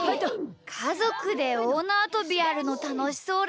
かぞくでおおなわとびやるのたのしそうだな。